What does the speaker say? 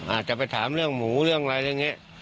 อาจจะไปถามเรื่องหมูเรื่องอะไรอย่างนี้